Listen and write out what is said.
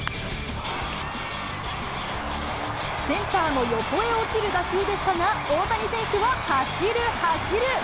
センターの横へ落ちる打球でしたが、大谷選手は走る、走る。